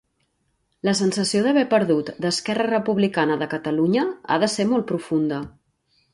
La sensació d'haver perdut d'Esquerra Republicana de Catalunya ha de ser molt profunda.